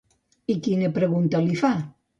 I quina pregunta li fa?